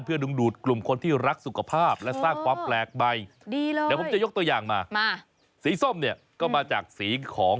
เพื่อนุ่งดูดกลุ่มคนที่รักสุขภาพและสร้างความแปลกใบ